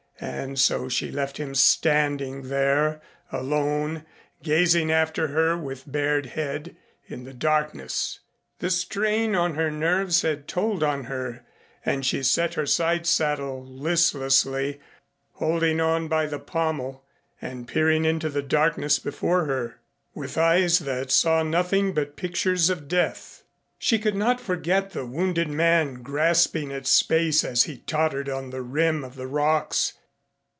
And so she left him standing there alone gazing after her with bared head in the darkness. The strain on her nerves had told on her and she sat her side saddle listlessly holding on by the pommel, and peering into the darkness before her, with eyes that saw nothing but pictures of death. She could not forget the wounded man grasping at space as he tottered on the rim of the rocks.